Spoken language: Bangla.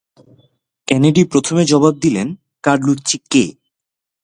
কেনেডি প্রথমে জবাব দিলেন কারলুচ্চি কে?